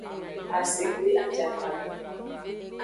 Ase gli ajaka do.